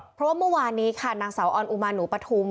เพราะว่าเมื่อวานนี้ค่ะนางสาวออนอุมาหนูปฐุม